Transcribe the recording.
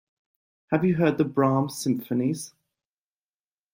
Have you heard the Brahms symphonies?